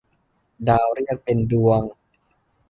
ดาวเรียกเป็นดวง